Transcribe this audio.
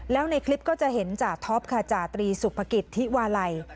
แล้วในคลิปก็จะเห็นจ่าท็อปค่ะจาตรีสุภกิจธิวาลัย